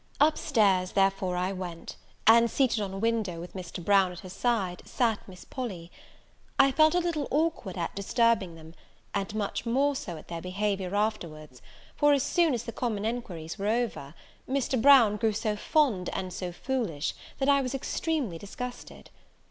Up stairs, therefore, I went; and, seated on a window, with Mr. Brown at her side, sat Miss Polly. I felt a little awkward at disturbing them, and much more so at their behaviour afterwards; for, as soon as the common enquiries were over, Mr. Brown grew so fond and so foolish, that I was extremely disgusted.